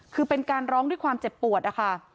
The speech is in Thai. คือเป็นการร้องด้วยความเจ็บปวดนะคะ